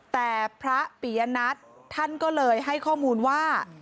แต่พระปียนัทท่านก็เลยให้ข้อมูลว่า